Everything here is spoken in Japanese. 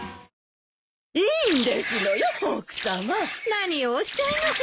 何をおっしゃいます。